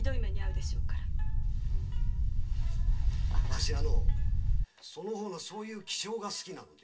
ワシはその方のそういう気性が好きなのだ。